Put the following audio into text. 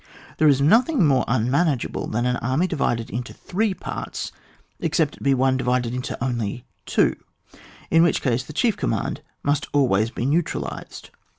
There is nothing more unmanageable than an army divided into three parts, except it be one divided into only two, in wluch case the chief command must be almost neutralised.